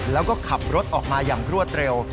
แล้วก็ขับรถออกมาอย่างรวดเร็ว